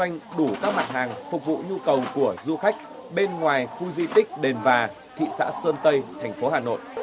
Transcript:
doanh đủ các mặt hàng phục vụ nhu cầu của du khách bên ngoài khu di tích đền và thị xã sơn tây thành phố hà nội